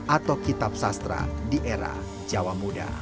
atau kitab sastra di era jawa muda